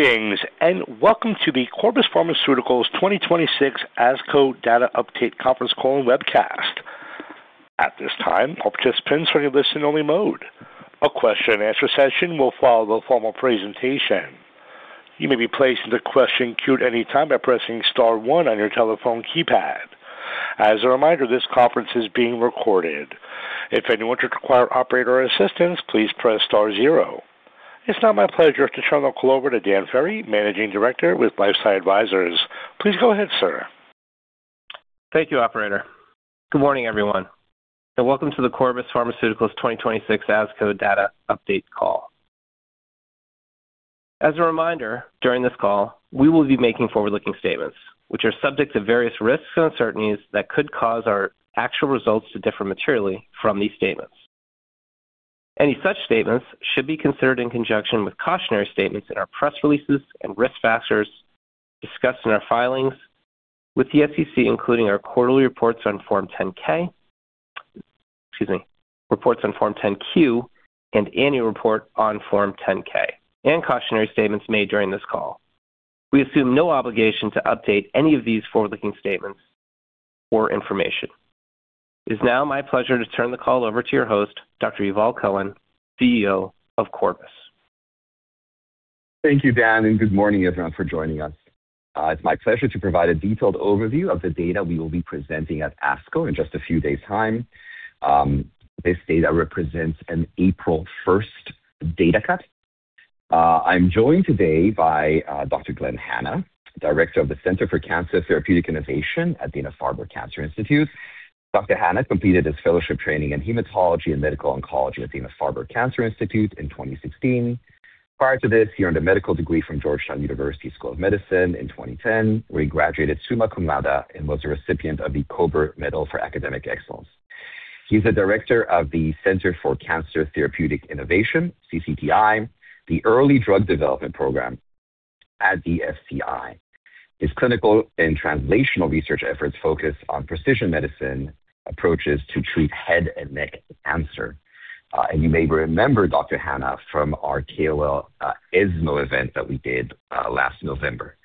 Greetings, welcome to the Corbus Pharmaceuticals 2026 ASCO data update conference call and webcast. At this time, all participants are in listen-only mode. A question-and-answer session will follow the formal presentation. You may be placed in the question queue at any time by pressing star one on your telephone keypad. As a reminder, this conference is being recorded. If anyone should require operator assistance, please press star zero. It's now my pleasure to turn the call over to Dan Ferry, Managing Director with LifeSci Advisors. Please go ahead, sir. Thank you, operator. Good morning, everyone, and welcome to the Corbus Pharmaceuticals 2026 ASCO data update call. As a reminder, during this call, we will be making forward-looking statements, which are subject to various risks and uncertainties that could cause our actual results to differ materially from these statements. Any such statements should be considered in conjunction with cautionary statements in our press releases and risk factors discussed in our filings with the SEC, including our quarterly reports on Form 10-K, excuse me, reports on Form 10-Q, and annual report on Form 10-K, and cautionary statements made during this call. We assume no obligation to update any of these forward-looking statements or information. It's now my pleasure to turn the call over to your host, Dr. Yuval Cohen, CEO of Corbus. Thank you, Dan, good morning, everyone, for joining us. It's my pleasure to provide a detailed overview of the data we will be presenting at ASCO in just a few days' time. This data represents an April 1st data cut. I'm joined today by Dr. Glenn Hanna, Director of the Center for Cancer Therapeutic Innovation at Dana-Farber Cancer Institute. Dr. Hanna completed his fellowship training in hematology and medical oncology at Dana-Farber Cancer Institute in 2016. Prior to this, he earned a medical degree from Georgetown University School of Medicine in 2010, where he graduated summa cum laude and was a recipient of the Kober Medal for Academic Excellence. He's the director of the Center for Cancer Therapeutic Innovation, CCTI, the early drug development program at DFCI. His clinical and translational research efforts focus on precision medicine approaches to treat head and neck cancer. You may remember Dr. Hanna from our KOL ESMO event that we did last November.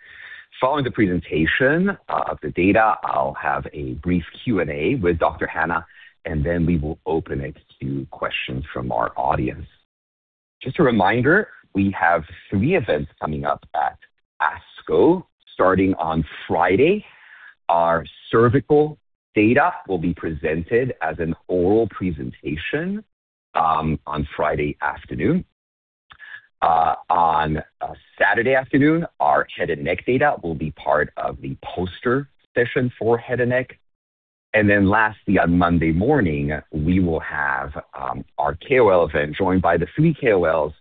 Following the presentation of the data, I'll have a brief Q&A with Dr. Hanna, and then we will open it to questions from our audience. Just a reminder, we have three events coming up at ASCO. Starting on Friday, our cervical data will be presented as an oral presentation on Friday afternoon. On Saturday afternoon, our head and neck data will be part of the poster session for head and neck. Lastly, on Monday morning, we will have our KOL event joined by the three KOLs,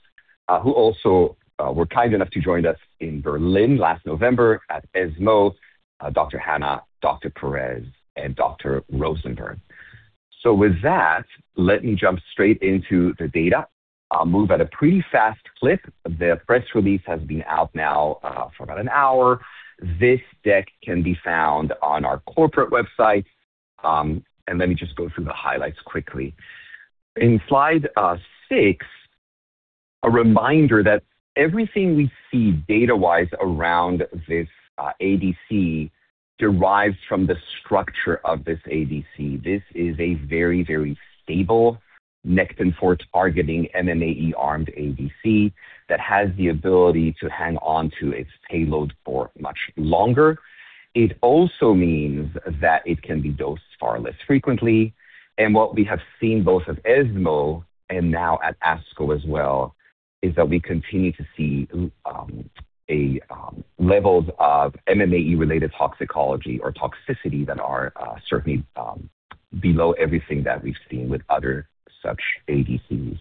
who also were kind enough to join us in Berlin last November at ESMO, Dr. Hanna, Dr. Perez, and Dr. Rosenberg. With that, let me jump straight into the data. I'll move at a pretty fast clip. The press release has been out now for about an hour. This deck can be found on our corporate website, and let me just go through the highlights quickly. In slide six, a reminder that everything we see data-wise around this ADC derives from the structure of this ADC. This is a very, very stable Nectin-4 targeting MMAE-armed ADC that has the ability to hang on to its payload for much longer. It also means that it can be dosed far less frequently. What we have seen both at ESMO and now at ASCO as well, is that we continue to see levels of MMAE-related toxicology or toxicity that are certainly below everything that we've seen with other such ADCs.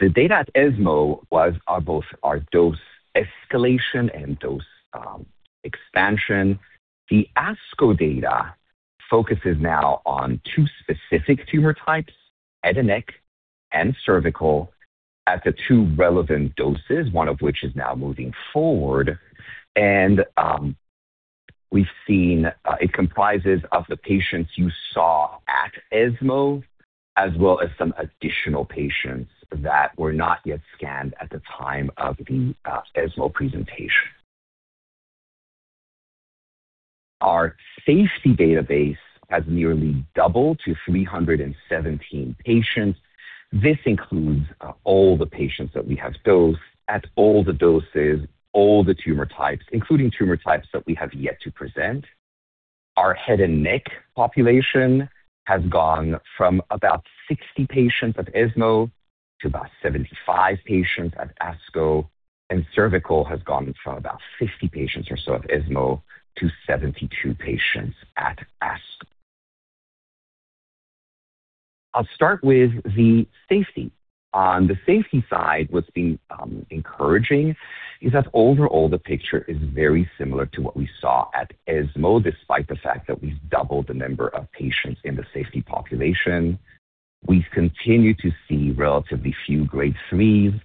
The data at ESMO was on both our dose escalation and dose expansion. The ASCO data focuses now on two specific tumor types, head and neck and cervical, at the two relevant doses, one of which is now moving forward. We've seen it comprises of the patients you saw at ESMO, as well as some additional patients that were not yet scanned at the time of the ESMO presentation. Our safety database has nearly doubled to 317 patients. This includes all the patients that we have dosed at all the doses, all the tumor types, including tumor types that we have yet to present. Our head and neck population has gone from about 60 patients at ESMO to about 75 patients at ASCO, and cervical has gone from about 50 patients or so at ESMO to 72 patients at ASCO. I'll start with the safety. On the safety side, what's been encouraging is that overall, the picture is very similar to what we saw at ESMO, despite the fact that we've doubled the number of patients in the safety population. We continue to see relatively few Grade 3s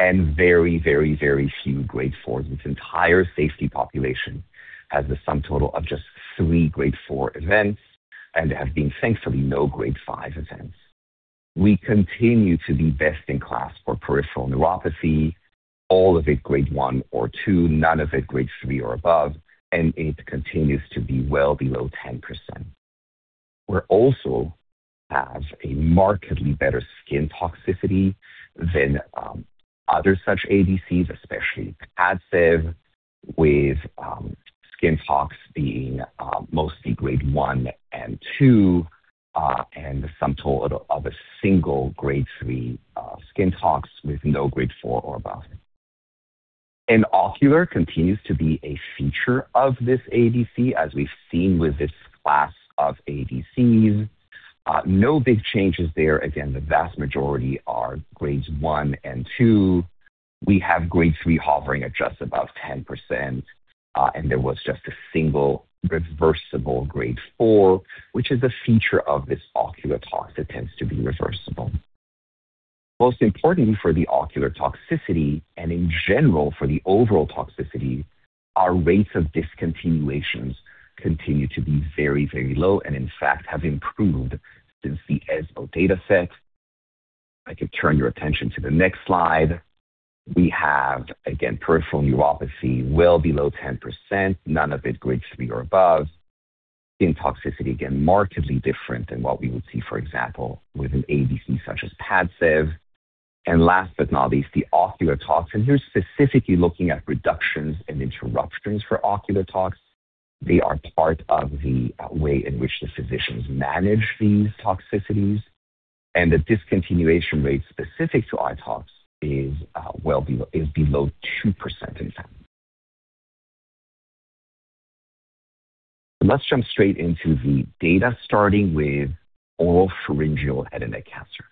and very few Grade 4s. This entire safety population has a sum total of just three Grade 4 events and has been thankfully no Grade 5 events. We continue to be best in class for peripheral neuropathy, all of it Grade 1 or 2, none of it Grade 3 or above, and it continues to be well below 10%. We also have a markedly better skin toxicity than other such ADCs, especially PADCEV, with skin tox being mostly Grade 1 and 2, and the sum total of a single Grade 3 skin tox with no Grade 4 or above. Ocular continues to be a feature of this ADC as we've seen with this class of ADCs. No big changes there. Again, the vast majority are Grades 1 and 2. We have Grade 3 hovering at just above 10%, and there was just a single reversible Grade 4, which is a feature of this ocular tox that tends to be reversible. Most importantly, for the ocular toxicity and in general for the overall toxicity, our rates of discontinuations continue to be very low and in fact have improved since the ESMO data set. If I could turn your attention to the next slide. We have, again, peripheral neuropathy well below 10%, none of it Grade 3 or above. Skin toxicity, again, markedly different than what we would see, for example, with an ADC such as PADCEV. Last but not least, the ocular tox, as we're specifically looking at reductions and interruptions for ocular tox. They are part of the way in which the physicians manage these toxicities, and the discontinuation rate specific to eye tox is below 2% in them. Let's jump straight into the data, starting with oropharyngeal head and neck cancer.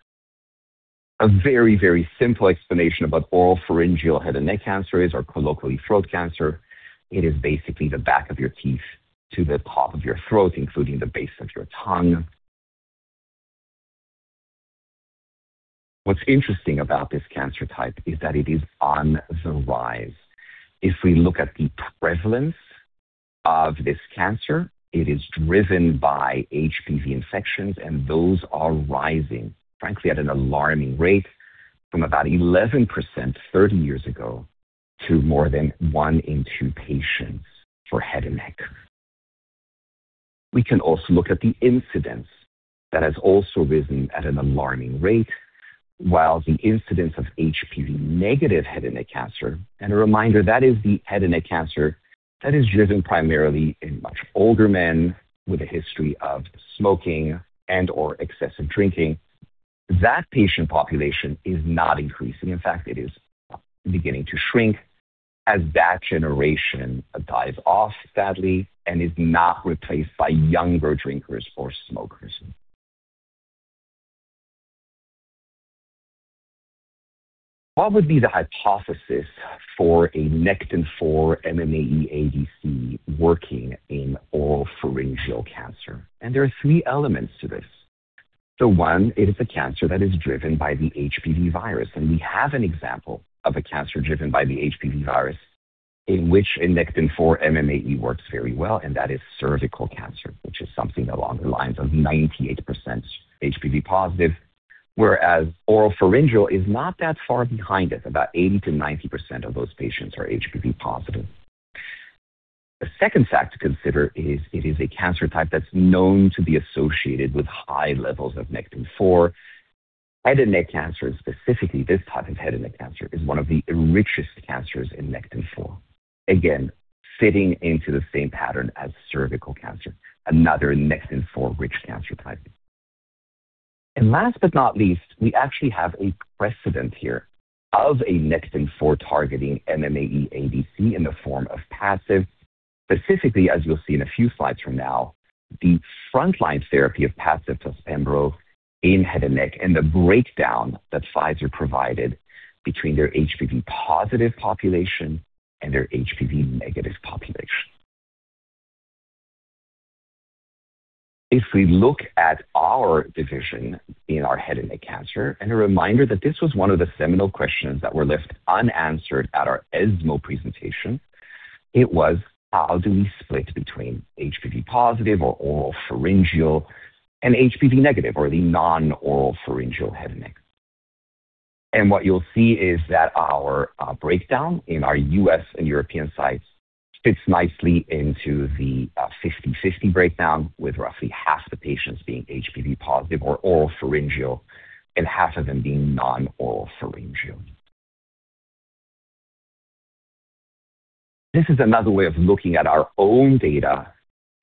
A very simple explanation of what oropharyngeal head and neck cancer is, or colloquially throat cancer, it is basically the back of your teeth to the top of your throat, including the base of your tongue. What's interesting about this cancer type is that it is on the rise. If we look at the prevalence of this cancer, it is driven by HPV infections, and those are rising, frankly, at an alarming rate from about 11% 30 years ago to more than one in two patients for head and neck. We can also look at the incidence that has also risen at an alarming rate while the incidence of HPV- head and neck cancer, and a reminder, that is the head and neck cancer that is driven primarily in much older men with a history of smoking and/or excessive drinking. That patient population is not increasing. In fact, it is beginning to shrink as that generation dies off sadly and is not replaced by younger drinkers or smokers. What would be the hypothesis for a Nectin-4 MMAE ADC working in oropharyngeal cancer? There are three elements to this. One, it is a cancer that is driven by the HPV virus, and we have an example of a cancer driven by the HPV virus in which Nectin-4 MMAE works very well, and that is cervical cancer, which is something along the lines of 98% HPV+, whereas oropharyngeal is not that far behind it. About 80%-90% of those patients are HPV+. The second fact to consider is it is a cancer type that's known to be associated with high levels of Nectin-4. Head and neck cancer, and specifically this type of head and neck cancer, is one of the enrichiest cancers in Nectin-4, again, fitting into the same pattern as cervical cancer, another Nectin-4-rich cancer type. Last but not least, we actually have a precedent here of a Nectin-4 targeting MMAE ADC in the form of PADCEV. Specifically, as you'll see in a few slides from now, the front-line therapy of PADCEV plus pembro in head and neck, and the breakdown that slides are provided between their HPV+ population and their HPV- population. If we look at our division in our head and neck cancer and a reminder that this was one of the seminal questions that were left unanswered at our ESMO presentation, it was how do we split between HPV+ or oropharyngeal and HPV- or the non-oropharyngeal head and neck? What you'll see is that our breakdown in our U.S. and European sites fits nicely into the 50/50 breakdown, with roughly half the patients being HPV+ or oropharyngeal and half of them being non-oropharyngeal. This is another way of looking at our own data,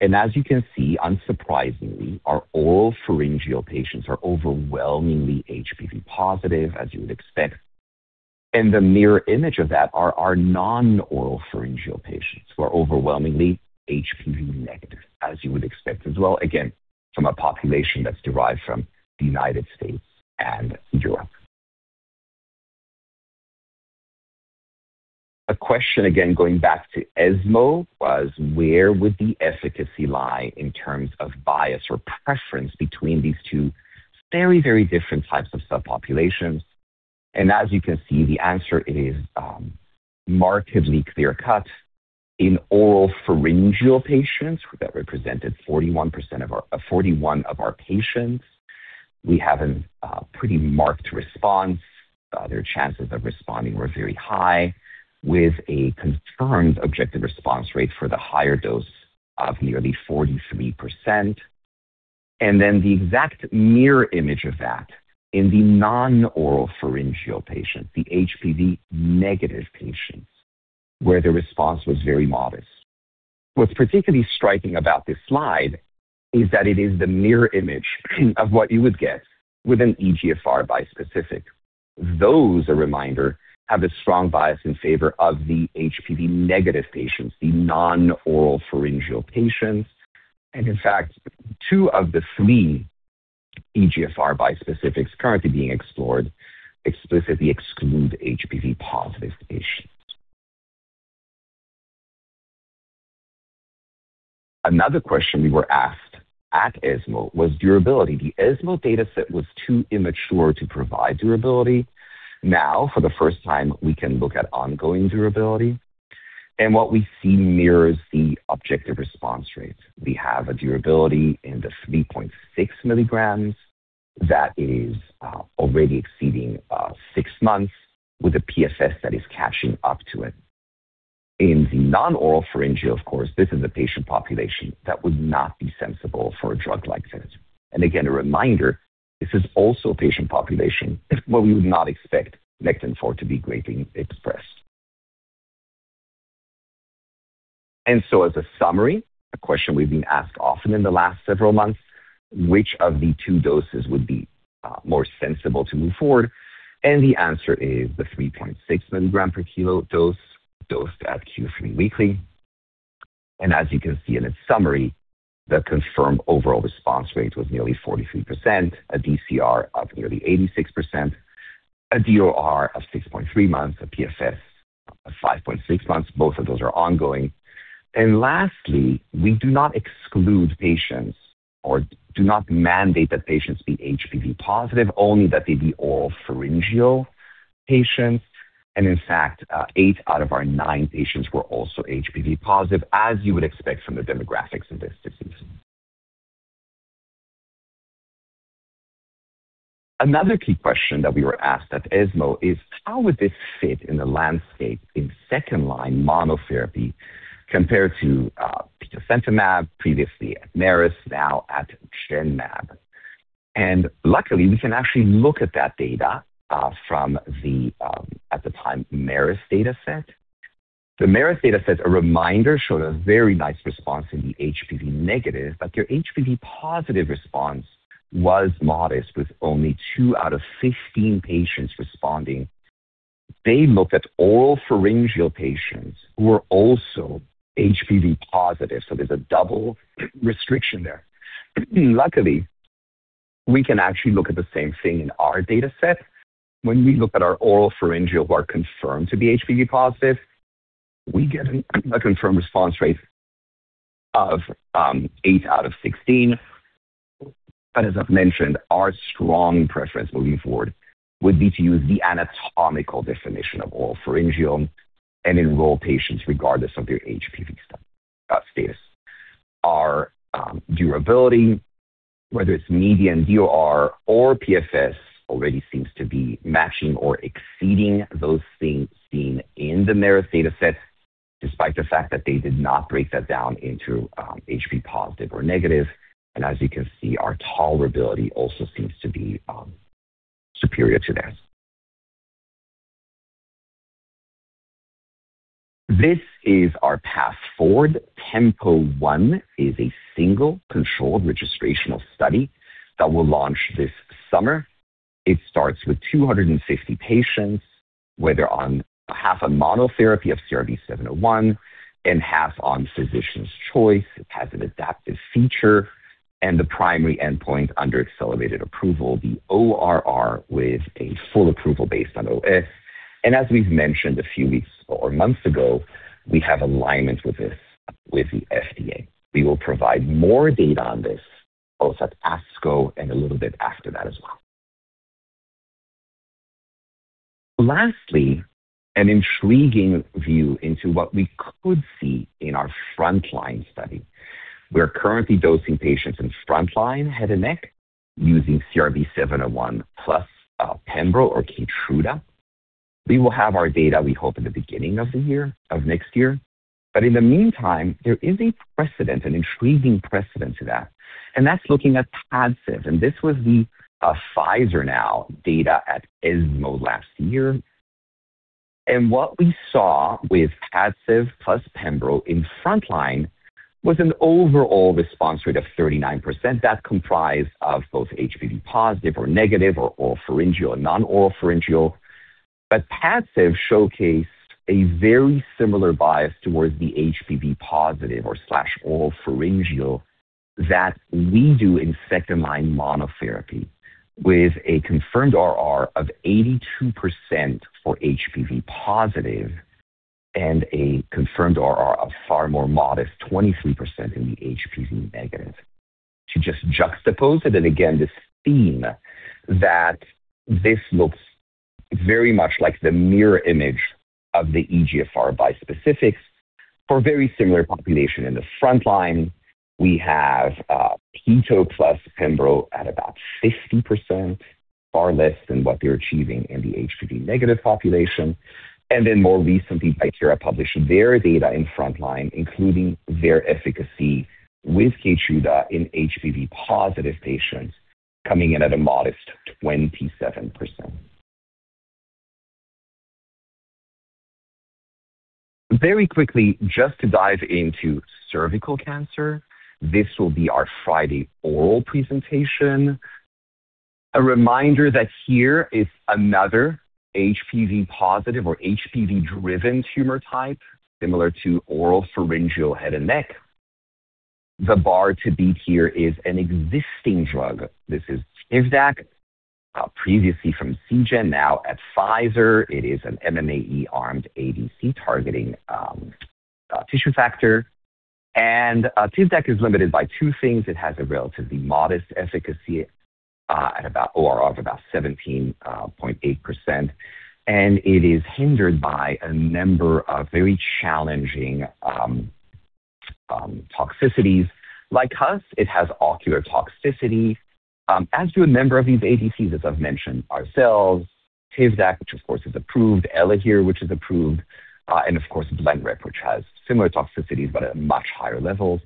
as you can see, unsurprisingly, our oropharyngeal patients are overwhelmingly HPV+, as you would expect. The mirror image of that are our non-oropharyngeal patients who are overwhelmingly HPV-, as you would expect as well, again, from a population that's derived from the United States and Europe. A question, again, going back to ESMO was where would the efficacy lie in terms of bias or preference between these two very different types of subpopulations? As you can see, the answer is markedly clear cut in oropharyngeal patients that represented 41 of our patients. We have a pretty marked response. Their chances of responding were very high, with a confirmed objective response rate for the higher dose of nearly 43%. The exact mirror image of that in the non-oropharyngeal patients, the HPV- patients, where the response was very modest. What's particularly striking about this slide is that it is the mirror image of what you would get with an EGFR bispecific. Those, a reminder, have a strong bias in favor of the HPV- patients, the non-oropharyngeal patients. In fact, two of the three EGFR bispecifics currently being explored explicitly exclude HPV+ patients. Another question we were asked at ESMO was durability. The ESMO data set was too immature to provide durability. Now, for the first time, we can look at ongoing durability, and what we see mirrors the objective response rates. We have a durability in the 3.6 mg that is already exceeding six months with a PFS that is catching up to it. In the non-oropharyngeal, of course, this is a patient population that would not be sensible for a drug like this. Again, a reminder, this is also a patient population where we would not expect Nectin-4 to be greatly expressed. As a summary, a question we've been asked often in the last several months, which of the two doses would be more sensible to move forward? The answer is the 3.6 mg per kilo dose dosed at Q3 weekly. As you can see in the summary, the confirmed overall response rate was nearly 43%, a DCR of nearly 86%, a DOR of 6.3 months, a PFS of 5.6 months. Both of those are ongoing. Lastly, we do not exclude patients or do not mandate that patients be HPV+, only that they be oropharyngeal patients. In fact, eight out of our nine patients were also HPV+, as you would expect from the demographics of this disease. Another key question that we were asked at ESMO is, how would this fit in the landscape in second-line monotherapy compared to petosemtamab, previously at Merus, now at Genmab? Luckily, we can actually look at that data from the, at the time, Merus data set. The Merus data set, a reminder, showed a very nice response in the HPV-, but their HPV+ response was modest, with only 15 out of two patients responding. They looked at oropharyngeal patients who are also HPV+, so there's a double restriction there. Luckily, we can actually look at the same thing in our data set. When we look at our oropharyngeal who are confirmed to be HPV+, we get a confirmed response rate of eight out of 16. As I've mentioned, our strong preference moving forward would be to use the anatomical definition of oropharyngeal and enroll patients regardless of their HPV status. Our durability, whether it's median DOR or PFS, already seems to be matching or exceeding those seen in the Merus data sets, despite the fact that they did not break that down into HPV+ or HPV-. As you can see, our tolerability also seems to be superior to theirs. This is our path forward. TEMPO-1 is a single controlled registrational study that will launch this summer. It starts with 250 patients, whether on half on monotherapy of CRB-701 and half on physician's choice. It has an adaptive feature and the primary endpoint under accelerated approval, the ORR, with a full approval based on OS. As we've mentioned a few weeks or months ago, we have alignment with this with the FDA. We will provide more data on this both at ASCO and a little bit after that as well. An intriguing view into what we could see in our frontline study. We are currently dosing patients in frontline head and neck using CRB-701 plus pembro or KEYTRUDA. We will have our data, we hope, at the beginning of next year. In the meantime, there is a precedent, an intriguing precedent to that, and that's looking at PADCEV. This was the Pfizer now data at ESMO last year. What we saw with PADCEV plus pembro in frontline was an overall response rate of 39%. That comprised of both HPV+ or HPV-, or oropharyngeal, non-oropharyngeal. TIVDAK showcased a very similar bias towards the HPV+/oropharyngeal that we do in second-line monotherapy with a confirmed ORR of 82% for HPV+ and a confirmed ORR of far more modest 23% in the HPV-. to just juxtapose it, again, this theme that this looks very much like the mirror image of the EGFR bispecifics for a very similar population in the frontline. We have peto plus pembro at about 50%, far less than what they're achieving in the HPV- population. More recently, BioAtla published their data in Frontline, including their efficacy with KEYTRUDA in HPV+ patients coming in at a modest 27%. Very quickly, just to dive into cervical cancer, this will be our Friday oral presentation. A reminder that here is another HPV+ or HPV-driven tumor type, similar to oropharyngeal head and neck. The bar to beat here is an existing drug. This is TIVDAK, previously from Seagen, now at Pfizer. It is an MMAE-armed ADC targeting tissue factor. TIVDAK is limited by two things. It has a relatively modest efficacy at an ORR of about 17.8%, and it is hindered by a number of very challenging toxicities. Like us, it has ocular toxicity. As do a number of these ADCs, as I've mentioned, ourselves, TIVDAK which, of course, is approved, ELAHERE, which is approved, and of course, LEQEMBI, which has similar toxicities but at much higher levels.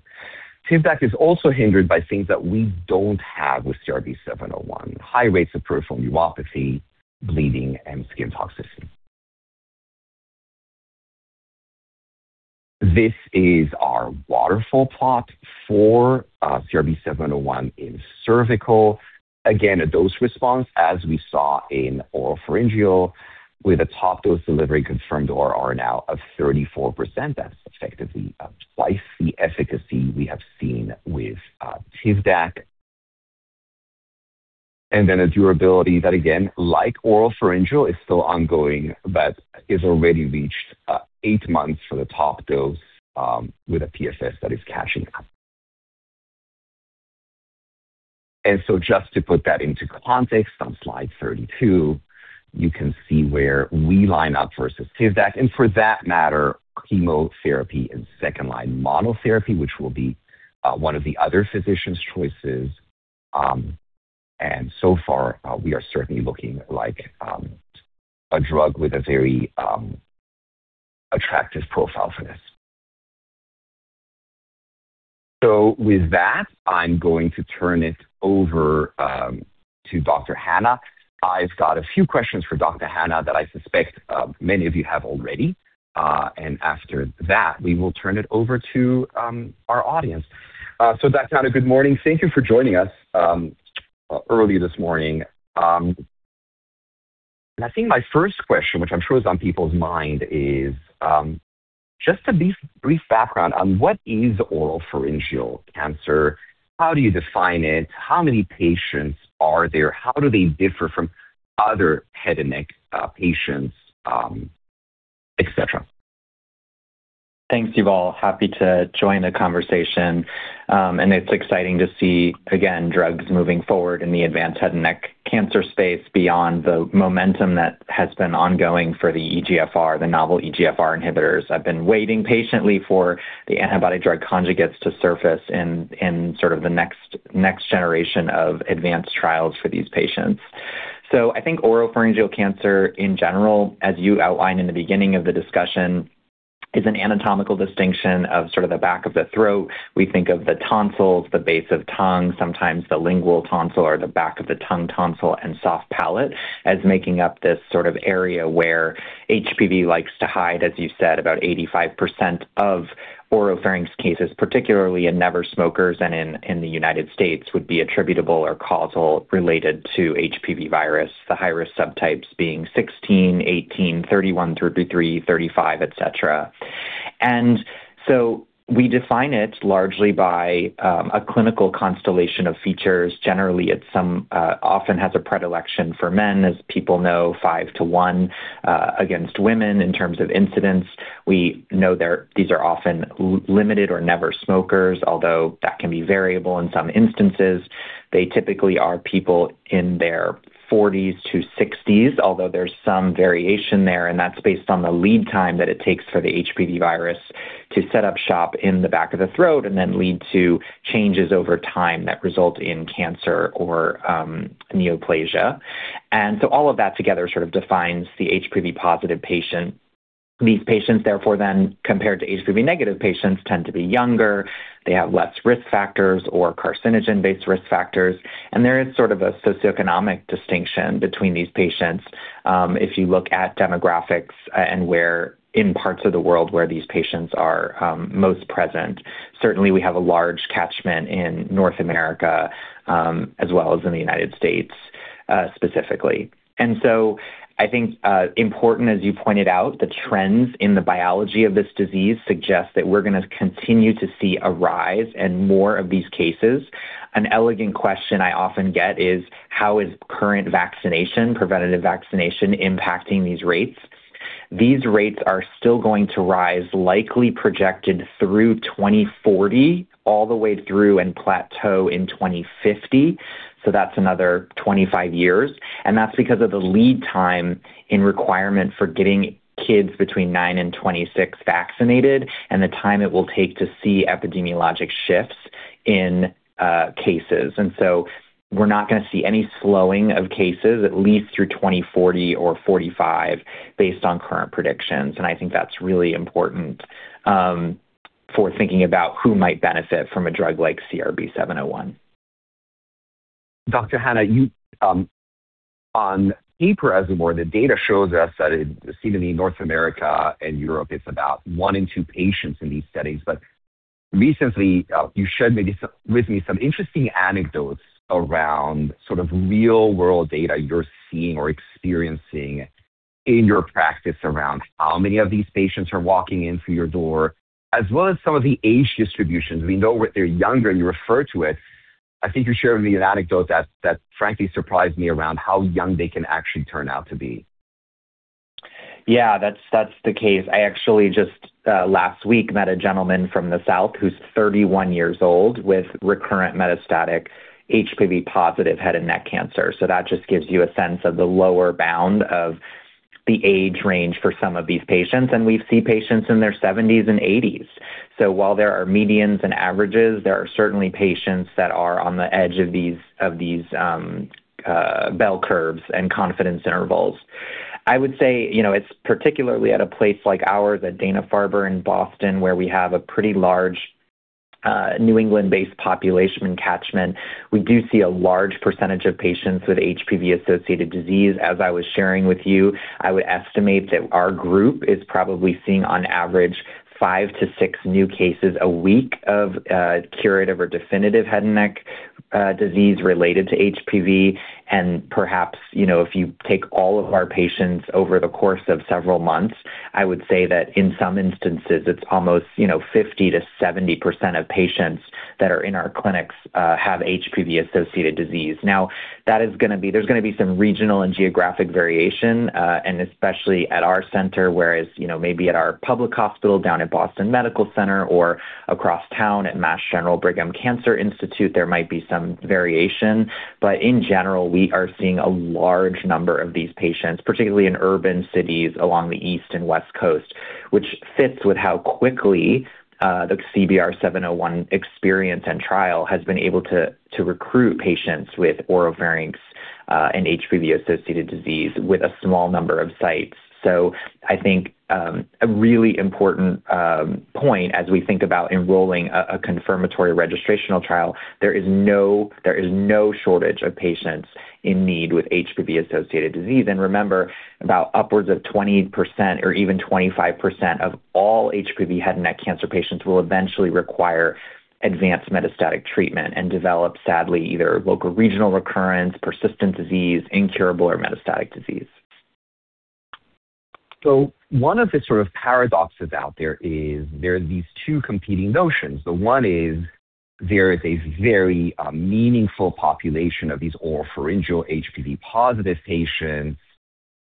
TIVDAK is also hindered by things that we don't have with CRB-701: high rates of peripheral neuropathy, bleeding, and skin toxicity. This is our waterfall plot for CRB-701 in cervical. Again, a dose response, as we saw in oropharyngeal, with a top dose delivery confirmed ORR now of 34%. That's effectively twice the efficacy we have seen with TIVDAK. Then a durability that, again, like oropharyngeal, is still ongoing but has already reached eight months for the top dose, with a PFS that is catching up. So just to put that into context on slide 32, you can see where we line up versus TIVDAK and for that matter, chemotherapy and second-line monotherapy, which will be one of the other physicians' choices. So far, we are certainly looking like a drug with a very attractive profile for this. With that, I'm going to turn it over to Dr. Hanna. I've got a few questions for Dr. Hanna that I suspect many of you have already. After that, we will turn it over to our audience. Dr. Hanna, good morning. Thank you for joining us early this morning. I think my first question, which I'm sure is on people's mind, is just a brief background on what is oropharyngeal cancer, how do you define it, how many patients are there, how do they differ from other head and neck patients, et cetera? Thank you all. Happy to join the conversation. It's exciting to see, again, drugs moving forward in the advanced head and neck cancer space beyond the momentum that has been ongoing for the novel EGFR inhibitors. I've been waiting patiently for the antibody drug conjugates to surface in sort of the next generation of advanced trials for these patients. I think oropharyngeal cancer in general, as you outlined in the beginning of the discussion, is an anatomical distinction of sort of the back of the throat. We think of the tonsils, the base of tongue, sometimes the lingual tonsil or the back of the tongue tonsil and soft palate as making up this sort of area where HPV likes to hide. As you said, about 85% of oropharynx cases, particularly in never smokers and in the United States, would be attributable or causal related to HPV virus, the highest subtypes being 16, 18, 31, 33, 35, et cetera. We define it largely by a clinical constellation of features. Generally, it often has a predilection for men, as people know, five to one against women in terms of incidence. We know these are often limited or never smokers, although that can be variable in some instances. They typically are people in their 40s-60s, although there's some variation there, and that's based on the lead time that it takes for the HPV virus to set up shop in the back of the throat and then lead to changes over time that result in cancer or neoplasia. All of that together sort of defines the HPV+ patient. These patients, therefore, compared to HPV- patients, tend to be younger, they have less risk factors or carcinogen-based risk factors, and there is sort of a socioeconomic distinction between these patients if you look at demographics and in parts of the world where these patients are most present. Certainly, we have a large catchment in North America as well as in the United States, specifically. I think important, as you pointed out, the trends in the biology of this disease suggest that we're going to continue to see a rise in more of these cases. An elegant question I often get is how is current vaccination, preventative vaccination, impacting these rates? These rates are still going to rise, likely projected through 2040, all the way through and plateau in 2050. That's another 25 years, and that's because of the lead time in requirement for getting kids between nine and 26 vaccinated, and the time it will take to see epidemiologic shifts in cases. We're not going to see any slowing of cases, at least through 2040 or 2045, based on current predictions, and I think that's really important for thinking about who might benefit from a drug like CRB-701. Dr. Hanna, on paper, as it were, the data shows us that it seem to be North America and Europe, it's about one in two patients in these studies. Recently, you shared with me some interesting anecdotes around real-world data you're seeing or experiencing in your practice around how many of these patients are walking in through your door, as well as some of the age distributions. We know that they're younger, you referred to it. I think you shared with me an anecdote that frankly surprised me around how young they can actually turn out to be. Yeah, that's the case. I actually just last week, met a gentleman from the South who's 31 years old with recurrent metastatic HPV+ head and neck cancer. That just gives you a sense of the lower bound of the age range for some of these patients, and we see patients in their 70s and 80s. So while there are medians and averages, there are certainly patients that are on the edge of these bell curves and confidence intervals. I would say, it's particularly at a place like ours at Dana-Farber in Boston, where we have a pretty large New England-based population catchment. We do see a large percentage of patients with HPV-associated disease. As I was sharing with you, I would estimate that our group is probably seeing, on average, five to six new cases a week of curative or definitive head and neck disease related to HPV. Perhaps, if you take all of our patients over the course of several months, I would say that in some instances, it's almost 50%-70% of patients that are in our clinics have HPV-associated disease. There's going to be some regional and geographic variation, and especially at our center, whereas, maybe at our public hospital down at Boston Medical Center or across town at Mass General Brigham Cancer Institute, there might be some variation. In general, we are seeing a large number of these patients, particularly in urban cities along the East and West Coast, which fits with how quickly the CRB-701 experience and trial has been able to recruit patients with oropharynx and HPV-associated disease with a small number of sites. I think, a really important point as we think about enrolling a confirmatory registrational trial, there is no shortage of patients in need with HPV-associated disease. Remember, about upwards of 20% or even 25% of all HPV head and neck cancer patients will eventually require advanced metastatic treatment and develop, sadly, either local regional recurrence, persistent disease, incurable or metastatic disease. One of the paradoxes out there is there are these two competing notions. One is there is a very meaningful population of these oropharyngeal HPV+ patients.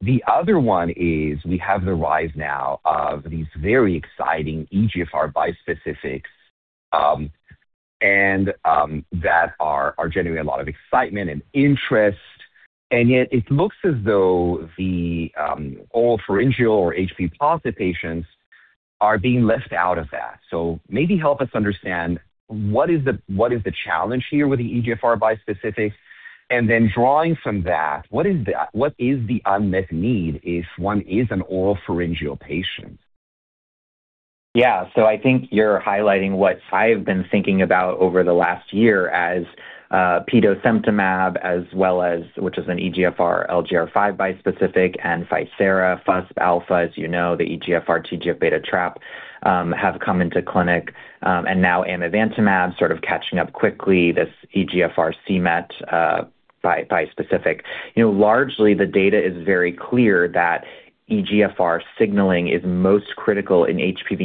The other one is we have the rise now of these very exciting EGFR bispecifics, and that are generating a lot of excitement and interest. Yet it looks as though the oropharyngeal or HPV+ patients are being left out of that. Maybe help us understand what is the challenge here with the EGFR bispecifics, and then drawing from that, what is the unmet need if one is an oropharyngeal patient? Yeah. I think you're highlighting what I've been thinking about over the last year as petosemtamab, which is an EGFR LGR5 bispecific, and ficerafusp alfa, as you know, the EGFR TGF-beta trap, have come into clinic. Now amivantamab sort of catching up quickly, this EGFR cMet bispecific. Largely, the data is very clear that EGFR signaling is most critical in HPV-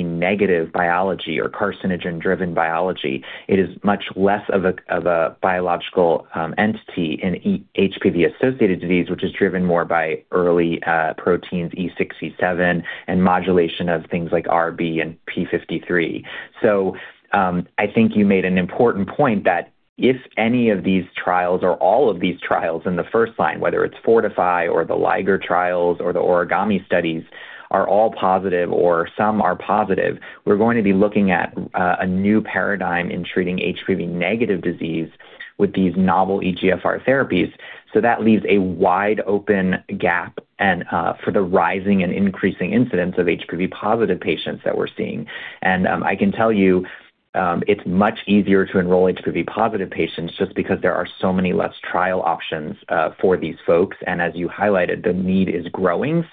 biology or carcinogen-driven biology. It is much less of a biological entity in HPV-associated disease, which is driven more by early proteins E6/E7 and modulation of things like RB and p53. I think you made an important point that if any of these trials or all of these trials in the first line, whether it's FORTIFY or the LiGeR-HN trials or the OrigAMI studies, are all positive or some are positive, we're going to be looking at a new paradigm in treating HPV- disease with these novel EGFR therapies. That leaves a wide open gap and for the rising and increasing incidence of HPV+ patients that we're seeing. I can tell you, it's much easier to enroll HPV+ patients just because there are so many less trial options for these folks. As you highlighted, the need is growing.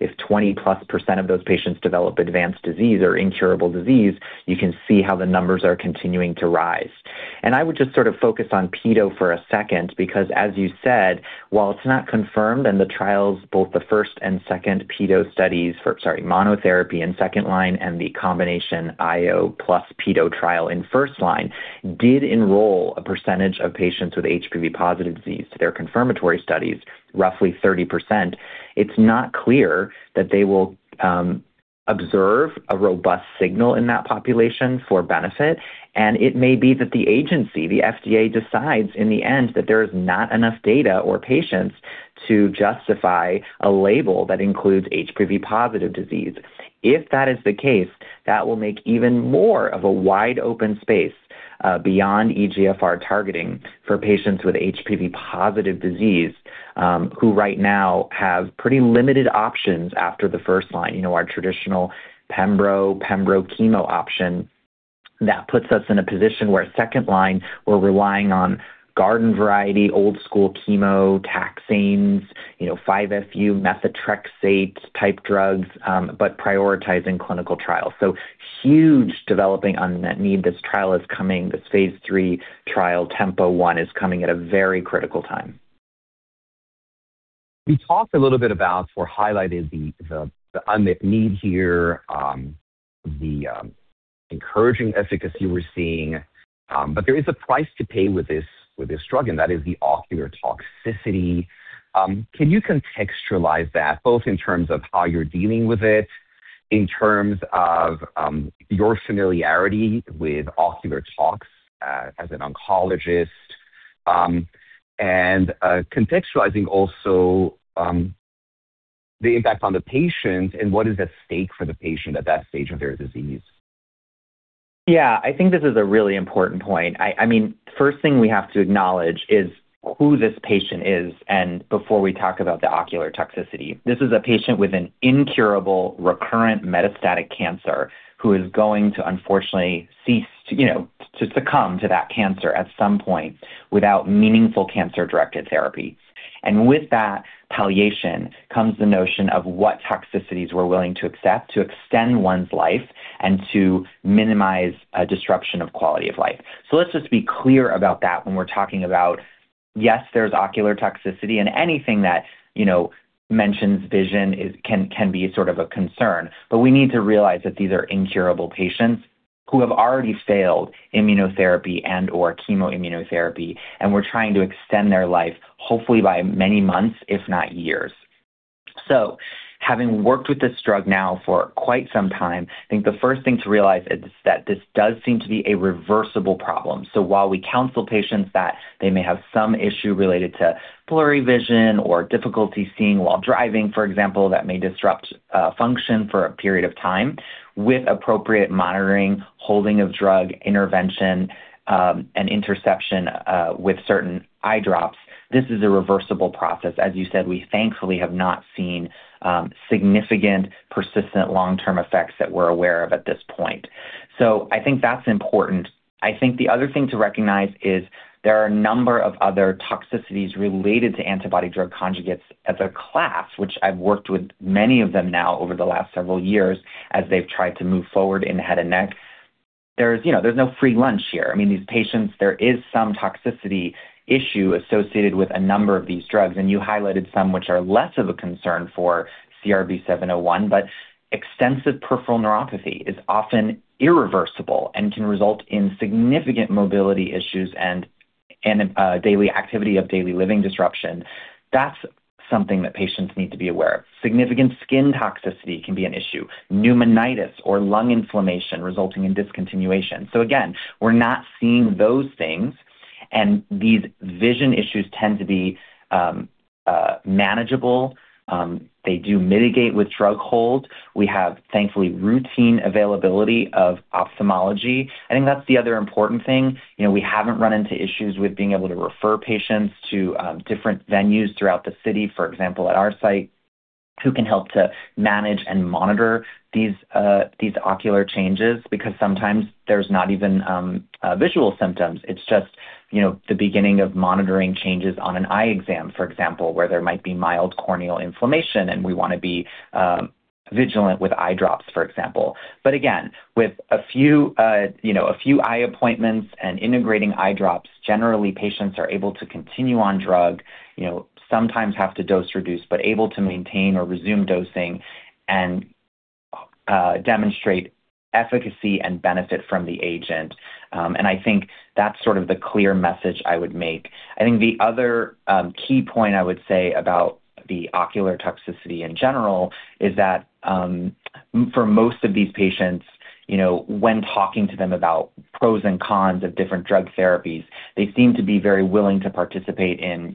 If 20%+ of those patients develop advanced disease or incurable disease, you can see how the numbers are continuing to rise. I would just sort of focus on peto for a second, because as you said, while it's not confirmed in the trials, both the first and second peto studies, or sorry, monotherapy and second-line and the combination IO plus peto trial in first-line, did enroll a percentage of patients with HPV+ disease. They're confirmatory studies, roughly 30%. It's not clear that they will observe a robust signal in that population for benefit. It may be that the agency, the FDA, decides in the end that there is not enough data or patients to justify a label that includes HPV+ disease. If that is the case, that will make even more of a wide-open space beyond EGFR targeting for patients with HPV+ disease, who right now have pretty limited options after the first-line, our traditional pembro chemo option. That puts us in a position where second line, we're relying on garden-variety, old school chemo taxanes, 5-FU methotrexate type drugs, prioritizing clinical trials. Huge developing unmet need. This trial is coming. This phase III trial TEMPO-1 is coming at a very critical time. We talked a little bit about or highlighted the unmet need here, the encouraging efficacy we're seeing. There is a price to pay with this drug, and that is the ocular toxicity. Can you contextualize that both in terms of how you're dealing with it, in terms of your familiarity with ocular tox as an oncologist, and contextualizing also the impact on the patient and what is at stake for the patient at that stage of their disease? I think this is a really important point. First thing we have to acknowledge is who this patient is and before we talk about the ocular toxicity. This is a patient with an incurable, recurrent metastatic cancer who is going to unfortunately cease to succumb to that cancer at some point without meaningful cancer-directed therapy. With that palliation comes the notion of what toxicities we're willing to accept to extend one's life and to minimize a disruption of quality of life. Let's just be clear about that when we're talking about, yes, there's ocular toxicity, and anything that mentions vision can be a concern. We need to realize that these are incurable patients who have already failed immunotherapy and/or chemoimmunotherapy, and we're trying to extend their life, hopefully by many months, if not years. Having worked with this drug now for quite some time, I think the first thing to realize is that this does seem to be a reversible problem. While we counsel patients that they may have some issue related to blurry vision or difficulty seeing while driving, for example, that may disrupt function for a period of time, with appropriate monitoring, holding of drug intervention, and interception with certain eye drops, this is a reversible process. As you said, we thankfully have not seen significant persistent long-term effects that we're aware of at this point. I think that's important. I think the other thing to recognize is there are a number of other toxicities related to antibody-drug conjugates as a class, which I've worked with many of them now over the last several years as they've tried to move forward in head and neck. There's no free lunch here. These patients, there is some toxicity issue associated with a number of these drugs, and you highlighted some which are less of a concern for CRB-701, but extensive peripheral neuropathy is often irreversible and can result in significant mobility issues and daily activity of daily living disruption. That's something that patients need to be aware of. Significant skin toxicity can be an issue. pneumonitis or lung inflammation resulting in discontinuation. Again, we're not seeing those things, and these vision issues tend to be manageable. They do mitigate with drug hold. We have, thankfully, routine availability of ophthalmology. I think that's the other important thing. We haven't run into issues with being able to refer patients to different venues throughout the city. For example, at our site, who can help to manage and monitor these ocular changes, because sometimes there's not even visual symptoms. It's just the beginning of monitoring changes on an eye exam, for example, where there might be mild corneal inflammation, and we want to be vigilant with eye drops, for example. Again, with a few eye appointments and integrating eye drops, generally, patients are able to continue on drug, sometimes have to dose reduce, but able to maintain or resume dosing and demonstrate efficacy and benefit from the agent. I think that's the clear message I would make. I think the other key point I would say about the ocular toxicity in general is that for most of these patients, when talking to them about pros and cons of different drug therapies, they seem to be very willing to participate in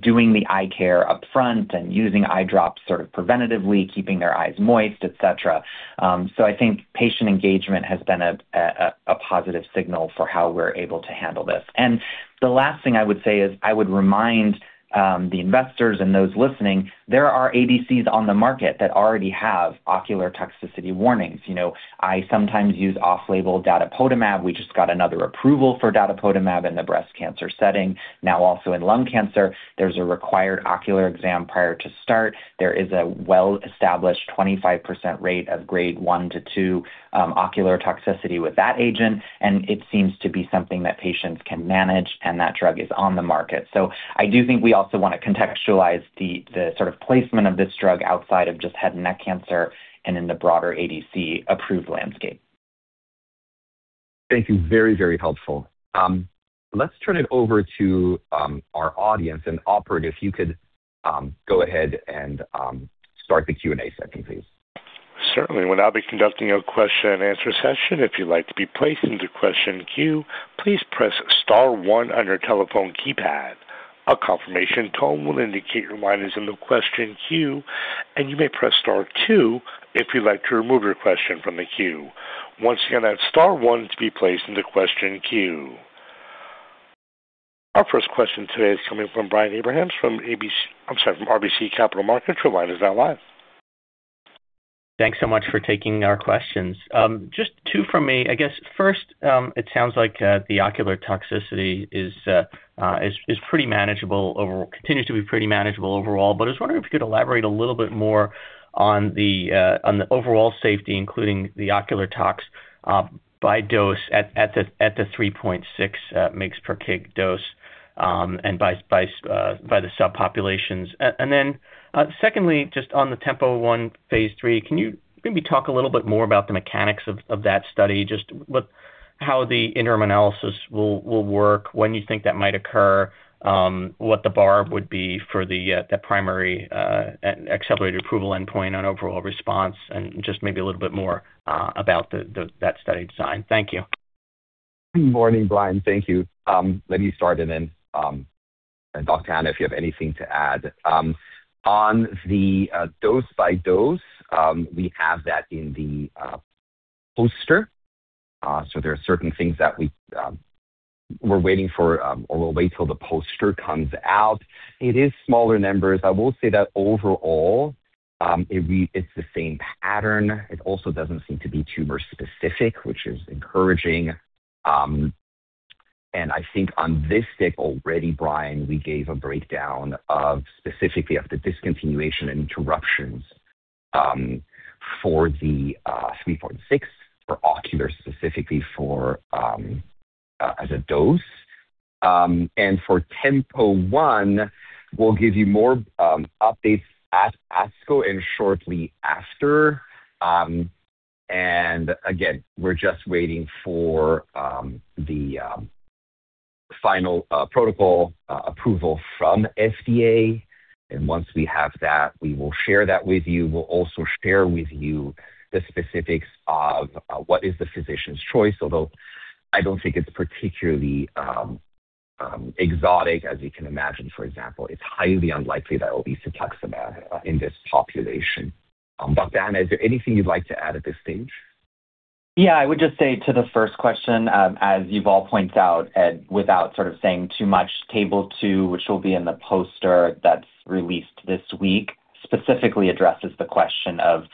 doing the eye care up front and using eye drops preventatively, keeping their eyes moist, et cetera. I think patient engagement has been a positive signal for how we're able to handle this. The last thing I would say is I would remind the investors and those listening, there are ADCs on the market that already have ocular toxicity warnings. I sometimes use off-label datopotamab. We just got another approval for datopotamab in the breast cancer setting, now also in lung cancer. There's a required ocular exam prior to start. There is a well-established 25% rate of Grade 1 to 2 ocular toxicity with that agent, and it seems to be something that patients can manage and that drug is on the market. I do think we also want to contextualize the sort of placement of this drug outside of just head and neck cancer and in the broader ADC-approved landscape. Thank you. Very, very helpful. Let's turn it over to our audience and operator, if you could go ahead and start the Q&A session, please. Certainly. We'll now be conducting a question and answer session. If you'd like to be placed into question queue, please press star one on your telephone keypad. A confirmation tone will indicate your line is in the question queue, and you may press star two if you'd like to remove your question from the queue. Once again, that's star one to be placed in the question queue. Our first question today is coming from Brian Abrahams from RBC Capital Markets. Your line is now live. Thanks so much for taking our questions. Just two from me. I guess first, it sounds like the ocular toxicity continues to be pretty manageable overall, but I was wondering if you could elaborate a little bit more on the overall safety, including the ocular tox by dose at the 3.6 mgs per kg dose, and by the subpopulations. Secondly, just on the TEMPO-1 phase III, can you maybe talk a little bit more about the mechanics of that study? Just how the interim analysis will work, when you think that might occur, what the bar would be for the primary accelerated approval endpoint on overall response, and just maybe a little bit more about that study design. Thank you. Morning, Brian. Thank you. Let me start and then, Dr. Hanna, if you have anything to add. On the dose by dose, we have that in the poster. There are certain things that we'll wait till the poster comes out. It is smaller numbers. I will say that overall, it's the same pattern. It also doesn't seem to be tumor specific, which is encouraging. I think on this deck already, Brian, we gave a breakdown of specifically of the discontinuation and interruptions, for the 3.46 for ocular, specifically as a dose. For TEMPO-1, we'll give you more updates at ASCO and shortly after. Again, we're just waiting for the final protocol approval from FDA. Once we have that, we will share that with you. We'll also share with you the specifics of what is the physician's choice, although I don't think it's particularly exotic, as you can imagine, for example, it's highly unlikely that it'll be TAXOTERE in this population. Dr. Hanna, is there anything you'd like to add at this stage? Yeah, I would just say to the first question, as Yuval points out, without saying too much, table two, which will be in the poster that's released this week, specifically addresses the question of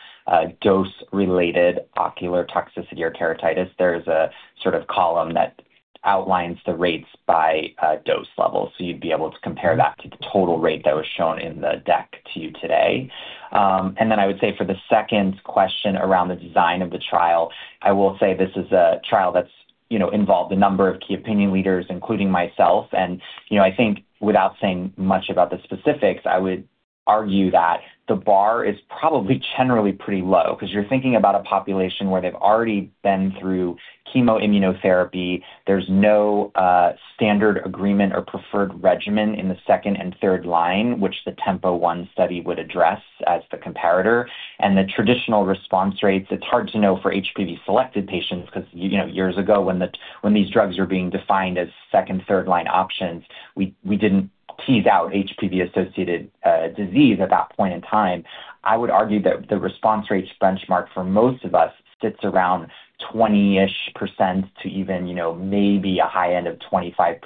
dose-related ocular toxicity or keratitis. There's a column that outlines the rates by dose level, so you'd be able to compare that to the total rate that was shown in the deck to you today. I would say for the second question around the design of the trial, I will say this is a trial that's involved a number of key opinion leaders, including myself, and I think without saying much about the specifics, I would argue that the bar is probably generally pretty low because you're thinking about a population where they've already been through chemo immunotherapy. There's no standard agreement or preferred regimen in the second and third-line, which the TEMPO-1 study would address as the comparator. The traditional response rates, it's hard to know for HPV-selected patients because years ago when these drugs were being defined as second and third-line options, we didn't tease out HPV-associated disease at that point in time. I would argue that the response rates benchmark for most of us sits around 20-ish% to even maybe a high end of 25%.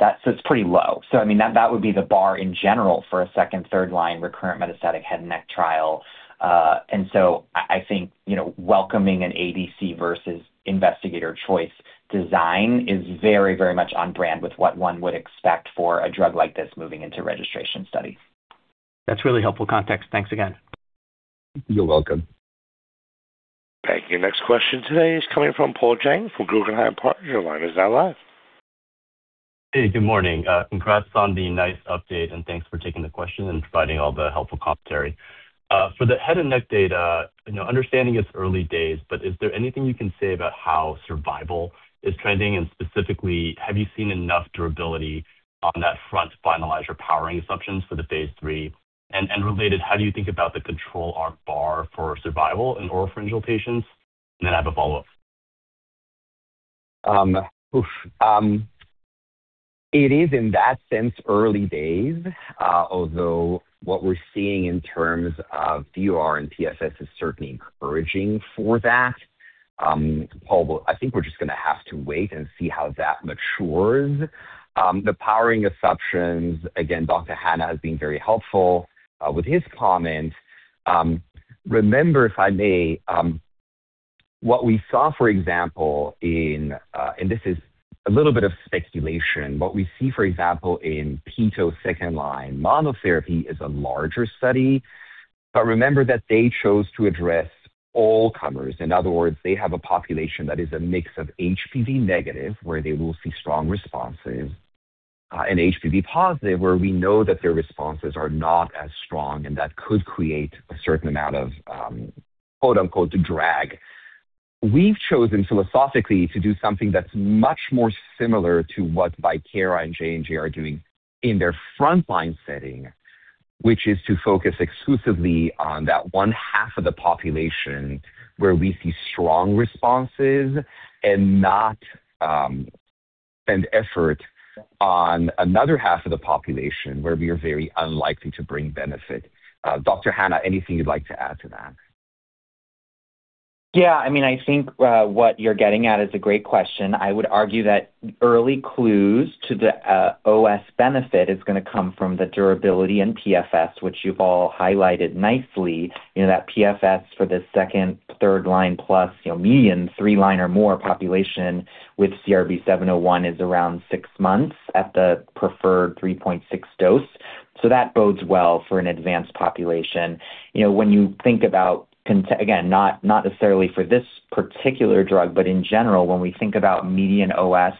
That sits pretty low. That would be the bar in general for a second and third-line recurrent metastatic head and neck trial. I think welcoming an ADC versus investigator choice design is very much on brand with what one would expect for a drug like this moving into registration studies. That's really helpful context. Thanks again. You're welcome. Thank you. Next question today is coming from Paul Jeng from Guggenheim Partners. Your line is now live. Hey, good morning. Congrats on the nice update, thanks for taking the question and providing all the helpful commentary. For the head and neck data, understanding it's early days, is there anything you can say about how survival is trending and specifically have you seen enough durability on that front to finalize your powering assumptions for the phase III? Related, how do you think about the control arm bar for survival in oropharyngeal patients? Then I have a follow-up. It is in that sense early days, although what we're seeing in terms of DCR and TSS is certainly encouraging for that. Paul, I think we're just going to have to wait and see how that matures. The powering assumptions, again, Dr. Hanna has been very helpful with his comments. Remember if I may, what we saw, for example, and this is a little bit of speculation, what we see, for example, in Peto second-line monotherapy is a larger study, but remember that they chose to address all comers. In other words, they have a population that is a mix of HPV- where they will see strong responses HPV+ where we know that their responses are not as strong and that could create a certain amount of "drag." We've chosen philosophically to do something that's much more similar to what Bicara and J&J are doing in their frontline setting, which is to focus exclusively on that one half of the population where we see strong responses and not an effort on another half of the population where we are very unlikely to bring benefit. Dr. Hanna, anything you'd like to add to that? I think what you're getting at is a great question. I would argue that early clues to the OS benefit is going to come from the durability in PFS, which Yuval highlighted nicely. That PFS for the second, third-line plus median three-line or more population with CRB-701 is around six months at the preferred 3.6 dose. That bodes well for an advanced population. When you think about, again, not necessarily for this particular drug, but in general, when we think about median OS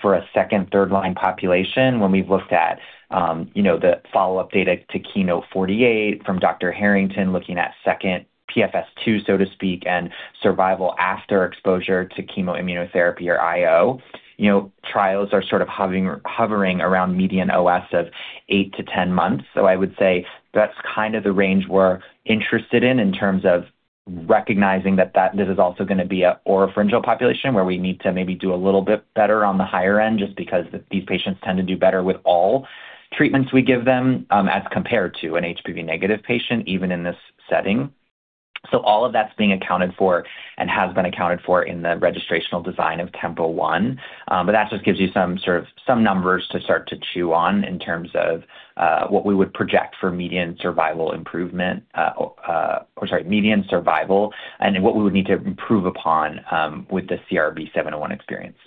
for a second, third-line population, when we've looked at the follow-up data to KEYNOTE-048 from Dr. Harrington, looking at second PFS2, so to speak, and survival after exposure to chemoimmunotherapy or IO. Trials are hovering around median OS of eight to 10 months. I would say that's the range we're interested in terms of recognizing that this is also going to be an oropharyngeal population where we need to maybe do a little bit better on the higher end, just because these patients tend to do better with all treatments we give them as compared to an HPV- patient, even in this setting. All of that's being accounted for and has been accounted for in the registrational design of TEMPO-1. That just gives you some numbers to start to chew on in terms of what we would project for median survival improvement, or sorry, median survival and what we would need to improve upon with the CRB-701 experience.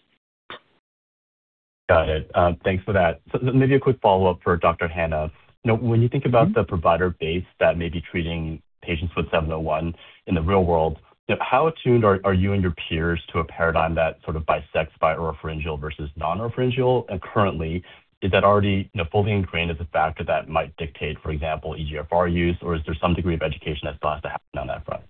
Got it. Thanks for that. Maybe a quick follow-up for Dr. Hanna. When you think about the provider base that may be treating patients with 701 in the real world, how attuned are you and your peers to a paradigm that bisects by oropharyngeal versus non-oropharyngeal? Currently, is that smoking status a factor that might dictate, for example, EGFR use, or is there some degree of education that's got to happen on that front?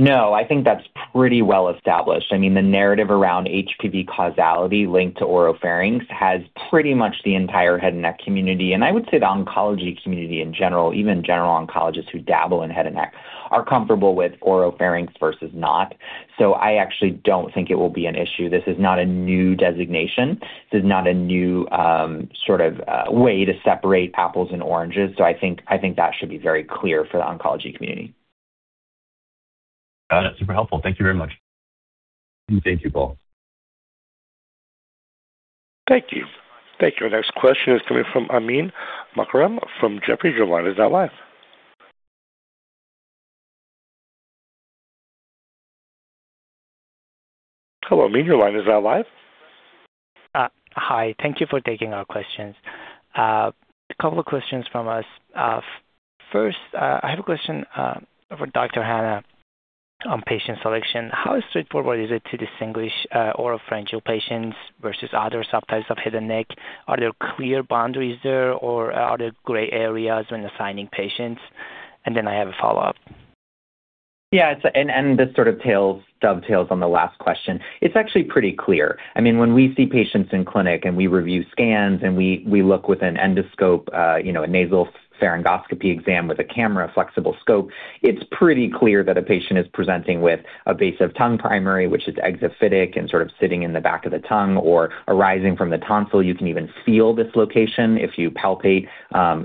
No, I think that's pretty well established. The narrative around HPV causality linked to oropharynx has pretty much the entire head and neck community, and I would say the oncology community in general, even general oncologists who dabble in head and neck, are comfortable with oropharynx versus not. I actually don't think it will be an issue. This is not a new designation. This is not a new way to separate apples and oranges. I think that should be very clear for the oncology community. Got it. Super helpful. Thank you very much. Thank you both. Thank you. Our next question is coming from Amin Makarem from Jefferies. Your line is now live. Hello, Amin. Your line is now live. Hi. Thank you for taking our questions. A couple questions from us. First, I have a question for Dr. Hanna on patient selection. How straightforward is it to distinguish oropharyngeal patients versus other subtypes of head and neck? Are there clear boundaries there, or are there gray areas when assigning patients? I have a follow-up. This dovetails on the last question. It's actually pretty clear. When we see patients in clinic and we review scans and we look with an endoscope, a nasopharyngoscopy exam with a camera flexible scope, it's pretty clear that a patient is presenting with a base of tongue primary, which is exophytic and sort of sitting in the back of the tongue or arising from the tonsil. You can even feel this location if you palpate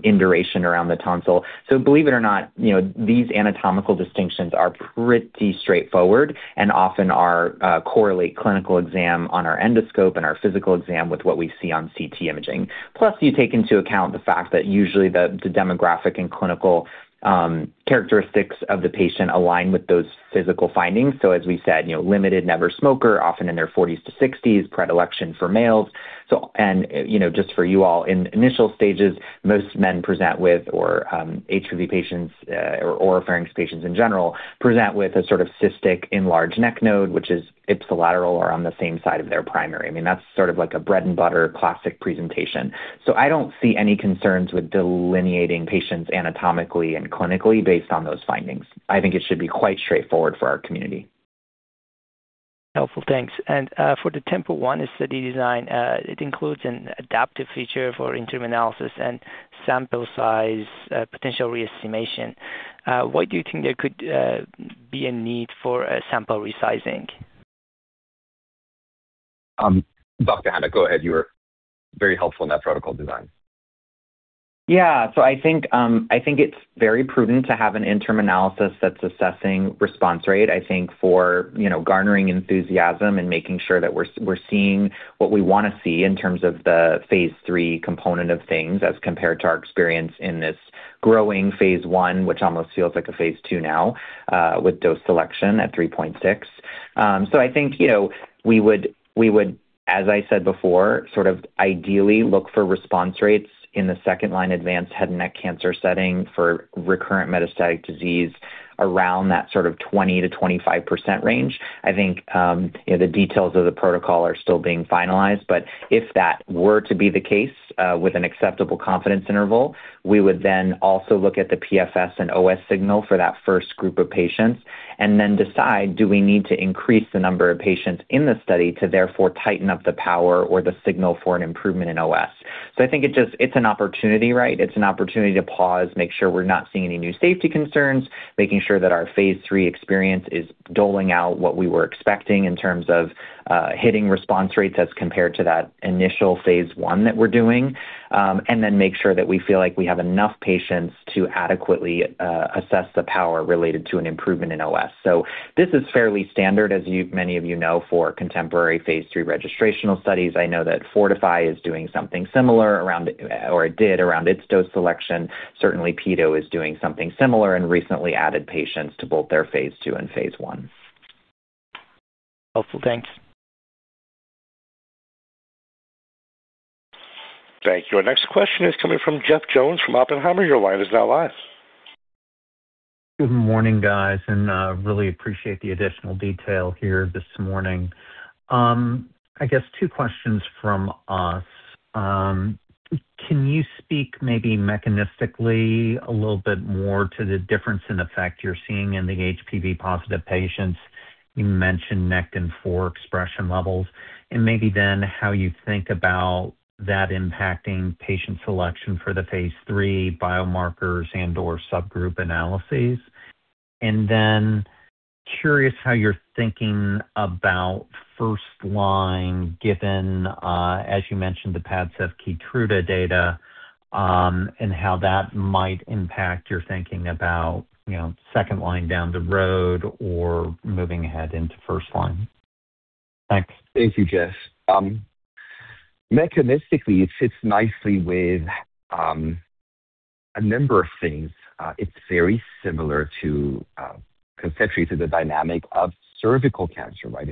induration around the tonsil. Believe it or not, these anatomical distinctions are pretty straightforward and often correlate clinical exam on our endoscope and our physical exam with what we see on CT imaging. You take into account the fact that usually the demographic and clinical characteristics of the patient align with those physical findings. As we said, limited never smoker, often in their 40s-60s, predilection for males. Just for you all, in initial stages, most men present with, or HPV patients or oropharynx patients in general present with a sort of cystic enlarged neck node which is ipsilateral or on the same side as their primary. That's sort of like a bread-and-butter classic presentation. I don't see any concerns with delineating patients anatomically and clinically based on those findings. I think it should be quite straightforward for our community. Helpful. Thanks. For the TEMPO-1 study design, it includes an adaptive feature for interim analysis and sample size potential re-estimation. What do you think there could be a need for a sample resizing? Dr. Hanna, go ahead. You were very helpful in that protocol design. Yeah. I think it's very prudent to have an interim analysis that's assessing response rate. I think for garnering enthusiasm and making sure that we're seeing what we want to see in terms of the phase III component of things as compared to our experience in this growing phase I, which almost feels like a phase II now with dose selection at 3.6. I think we would, as I said before, ideally look for response rates in the second-line advanced head and neck cancer setting for recurrent metastatic disease around that sort of 20%-25% range. I think the details of the protocol are still being finalized, but if that were to be the case with an acceptable confidence interval, we would then also look at the PFS and OS signal for that first group of patients and then decide, do we need to increase the number of patients in the study to therefore tighten up the power or the signal for an improvement in OS? I think it's an opportunity. It's an opportunity to pause, make sure we're not seeing any new safety concerns, making sure that our phase III experience is doling out what we were expecting in terms of hitting response rates as compared to that initial phase I that we're doing. Make sure that we feel like we have enough patients to adequately assess the power related to an improvement in OS. This is fairly standard, as many of you know, for contemporary phase III registrational studies. I know that FORTIFY is doing something similar, or did, around its dose selection. Certainly PDL is doing something similar and recently added patients to both their phase II and phase Is. Helpful. Thanks. Thank you. Our next question is coming from Jeff Jones from Oppenheimer. Your line is now live. Good morning, guys. Really appreciate the additional detail here this morning. I guess two questions from us. Can you speak maybe mechanistically, a little bit more to the difference in effect you're seeing in the HPV+ patients? You mentioned Nectin-4 expression levels, and maybe how you think about that impacting patient selection for the phase III biomarkers and/or subgroup analyses. Curious how you're thinking about first-line, given, as you mentioned, the PADCEV KEYTRUDA data, and how that might impact your thinking about second-line down the road or moving ahead into first-line. Thanks. Thank you, Jeff. Mechanistically, it fits nicely with a number of things. It's very similar conceptually to the dynamic of cervical cancer, right?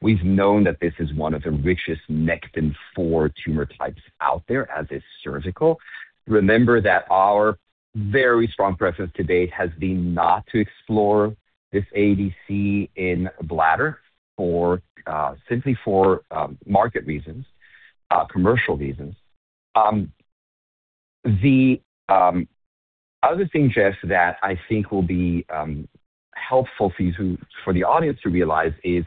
We've known that this is one of the richest Nectin-4 tumor types out there, as is cervical. Remember that our very strong preference to date has been not to explore this ADC in bladder, simply for market reasons, commercial reasons. The other thing, Jeff, that I think will be helpful for the audience to realize is,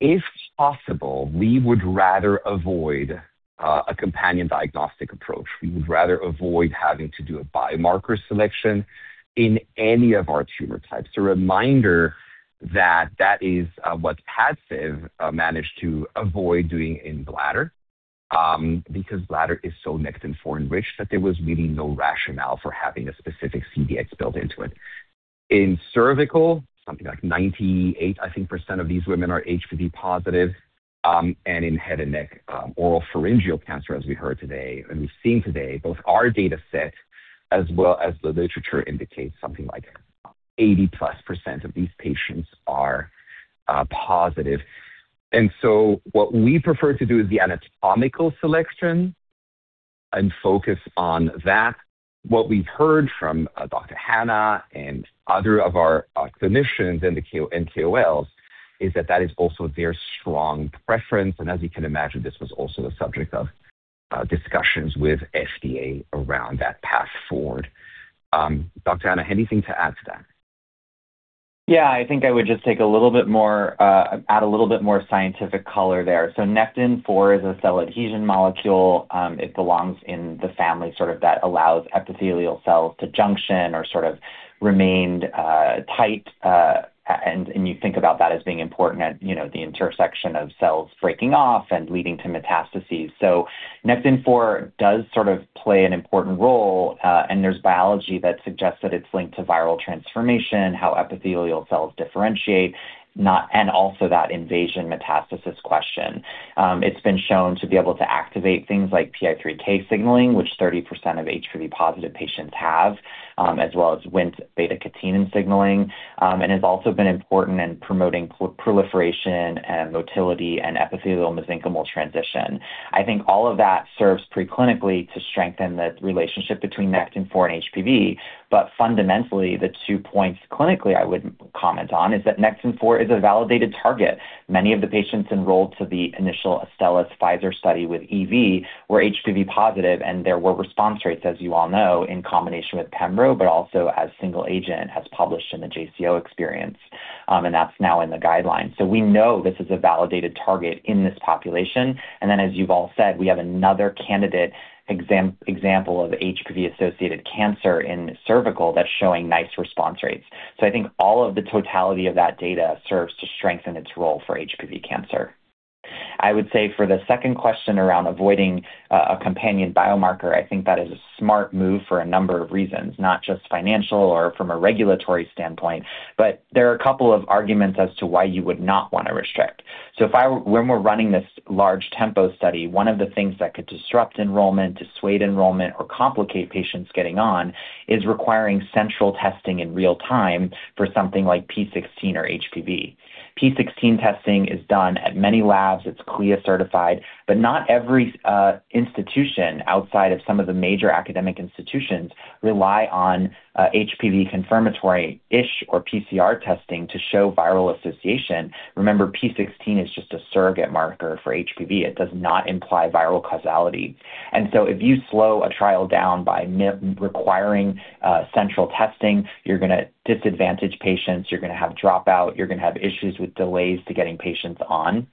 if possible, we would rather avoid a companion diagnostic approach. We would rather avoid having to do a biomarker selection in any of our tumor types. A reminder that is what PADCEV managed to avoid doing in bladder, because bladder is so Nectin-4 enriched that there was really no rationale for having a specific CDx built into it. In cervical, something like 98% of these women are HPV+, and in head and neck, oropharyngeal cancer, as we heard today, and we've seen today, both our data sets, as well as the literature indicates something like 80%+ of these patients are positive. What we prefer to do is the anatomical selection and focus on that. What we've heard from Dr. Hanna and other of our clinicians and KOLs is that is also their strong preference. As you can imagine, this was also a subject of discussions with FDA around that path forward. Dr. Hanna, anything to add to that? Yeah, I think I would just add a little bit more scientific color there. Nectin-4 is a cell adhesion molecule. It belongs in the family that allows epithelial cells to junction or remain tight. You think about that as being important at the intersection of cells breaking off and leading to metastases. Nectin-4 does play an important role, and there's biology that suggests that it's linked to viral transformation, how epithelial cells differentiate, and also that invasion metastasis question. It's been shown to be able to activate things like PI3K signaling, which 30% of HPV+ patients have, as well as Wnt/β-catenin signaling. It's also been important in promoting proliferation and motility and epithelial-mesenchymal transition. I think all of that serves pre-clinically to strengthen the relationship between Nectin-4 and HPV. Fundamentally, the two points clinically I would comment on is that Nectin-4 is a validated target. Many of the patients enrolled for the initial Astellas Pfizer study with EV were HPV+, and there were response rates, as you all know, in combination with pembro, but also as single agent, as published in the JCO experience. That's now in the guidelines. We know this is a validated target in this population. Then, as you've all said, we have another candidate example of HPV-associated cancer in cervical that's showing nice response rates. I think all of the totality of that data serves to strengthen its role for HPV cancer. I would say for the second question around avoiding a companion biomarker, I think that is a smart move for a number of reasons, not just financial or from a regulatory standpoint, but there are a couple of arguments as to why you would not want to restrict. When we're running this large TEMPO study, one of the things that could disrupt enrollment, dissuade enrollment, or complicate patients getting on is requiring central testing in real-time for something like p16 or HPV. p16 testing is done at many labs. It's CLIA certified, but not every institution outside of some of the major academic institutions rely on HPV confirmatory ISH or PCR testing to show viral association. Remember, p16 is just a surrogate marker for HPV. It does not imply viral causality. If you slow a trial down by requiring central testing, you're going to disadvantage patients, you're going to have dropout, you're going to have issues with delays to getting patients on